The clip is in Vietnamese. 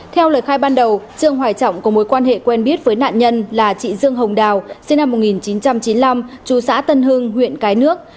theo lời khai ban đầu trương hoài trọng có mối quan hệ quen biết với nạn nhân là chị dương hồng đào sinh năm một nghìn chín trăm chín mươi năm chú xã tân hưng huyện cái nước